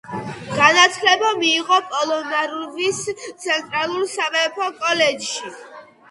განათლება მიიღო პოლონარუვის ცენტრალურ სამეფო კოლეჯში.